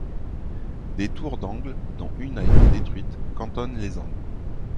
Des tours d'angles, dont une a été détruite, cantonnent les angles.